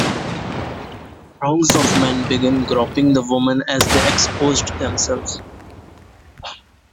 Throngs of men began groping the women as they exposed themselves.